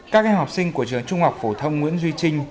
các em học sinh của trường trung học phổ thông nguyễn duy trinh